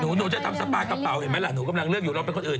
หนูจะทำสปากระเป๋าเห็นไหมล่ะหนูกำลังเลือกอยู่เราเป็นคนอื่น